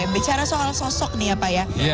bicara soal sosok nih ya pak ya